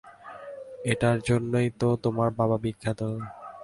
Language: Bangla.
এটার জন্যই তো তোমার বাবা বিখ্যাত।